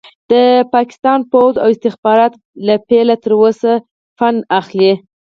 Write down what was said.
د پاکستان پوځ او استخبارات له پيله تر اوسه فنډ اخلي.